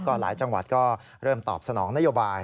หลายจังหวัดก็เริ่มตอบสนองนโยบาย